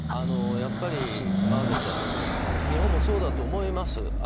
やっぱり真麻ちゃん日本もそうだと思います。